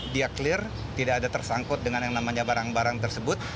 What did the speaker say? dia clear tidak ada tersangkut dengan yang namanya barang barang tersebut